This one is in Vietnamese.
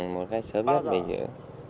một cách sớm nhất bây giờ